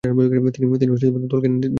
তিনি দলকে নেতৃত্ব দিয়েছিলেন।